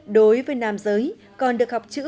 đối với nam giới còn được học chữ viết